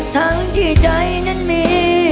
ทั้งที่ใจนั้นมี